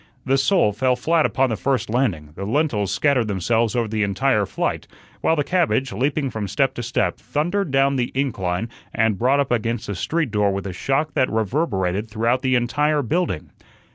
The sole fell flat upon the first landing; the lentils scattered themselves over the entire flight; while the cabbage, leaping from step to step, thundered down the incline and brought up against the street door with a shock that reverberated through the entire building.